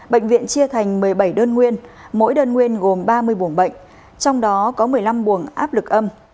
bệnh viện chia thành một mươi bảy đơn nguyên mỗi đơn nguyên gồm ba mươi buồng bệnh trong đó có một mươi năm buồng áp lực âm